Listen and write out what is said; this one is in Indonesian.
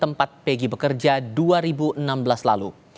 tempat pegi bekerja dua ribu enam belas lalu